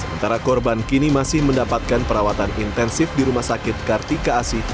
sementara korban kini masih mendapatkan perawatan intensif di rumah sakit kartika asi